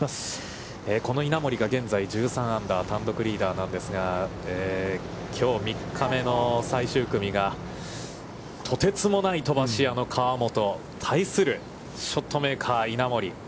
この稲森が、現在、１３アンダー、単独リーダーなんですが、きょう３日目の最終組がとてつもない飛ばし屋の河本、対するショットメーカー、稲森。